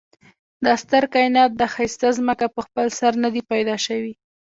دا ستر کاينات دا ښايسته ځمکه په خپل سر ندي پيدا شوي